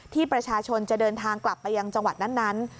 ที่ประชาชนจะเดินทางกลับไปยังจังหวัดนั้น